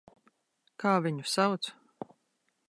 Kā viņu sauc?